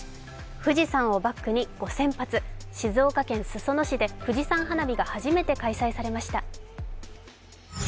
富士山をバックに５０００発静岡県裾野市で富士山花火が初めて開催されました。